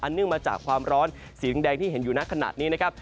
เนื่องมาจากความร้อนสีแดงที่เห็นอยู่ในขณะนี้นะครับ